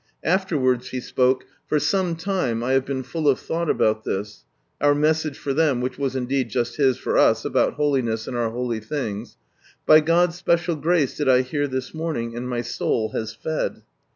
After wards he spoke: "For some time I have been full of thought about this, (our message for them, which was indeed just His for us, about holiness in our holy things) by God's special grace did I hear this morning, and my soul has fed."